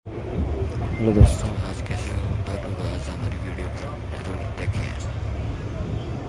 मेहकर में पाएं बालाजी संग ब्रह्मा और विष्णु के दर्शन